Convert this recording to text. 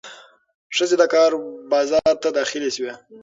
ښځې د کار بازار ته داخلې شوې.